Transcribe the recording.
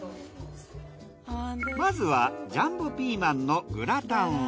まずはジャンボピーマンのグラタンを。